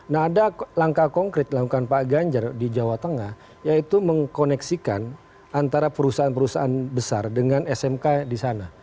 nah ada langkah konkret dilakukan pak ganjar di jawa tengah yaitu mengkoneksikan antara perusahaan perusahaan besar dengan smk di sana